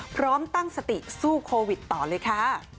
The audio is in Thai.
พร้อมตั้งสติสู้โควิดต่อเลยค่ะ